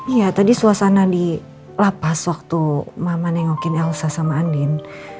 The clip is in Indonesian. iya tadi suasana di lapas waktu mama nengokin elsa sama andin